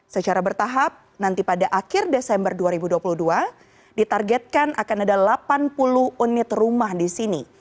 secara bertahap nanti pada akhir desember dua ribu dua puluh dua ditargetkan akan ada delapan puluh unit rumah di sini